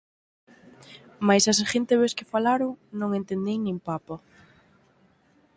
Mais, a seguinte vez que falaron, non entendín nin papa.